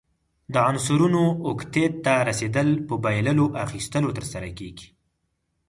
د عنصرونو اوکتیت ته رسیدل په بایللو، اخیستلو ترسره کیږي.